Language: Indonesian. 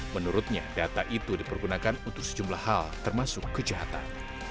menurutnya data itu dipergunakan untuk sejumlah hal termasuk kejahatan